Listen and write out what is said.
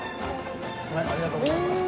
ありがとうございます。